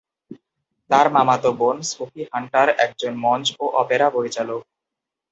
তার মামাতো বোন সোফি হান্টার একজন মঞ্চ ও অপেরা পরিচালক।